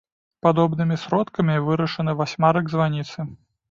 Падобнымі сродкамі вырашаны васьмярык званіцы.